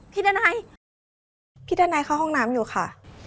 ดันัยพี่ดันัยเข้าห้องน้ำอยู่ค่ะ